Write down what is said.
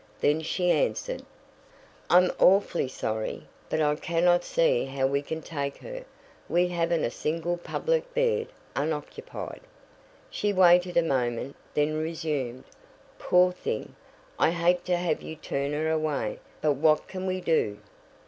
Then she answered: "I'm awfully sorry, but I cannot see how we can take her. We haven't a single public bed unoccupied." She waited a moment, then resumed: "Poor thing. I hate to have you turn her away, but what can we do?"